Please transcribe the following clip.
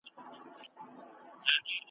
آزمیېلی دی دا اصل په نسلونو ,